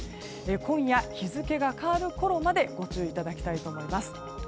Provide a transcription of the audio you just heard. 今夜日付が変わるころまでご注意いただきたいと思います。